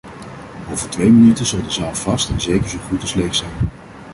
Over twee minuten zal de zaal vast en zeker zo goed als leeg zijn.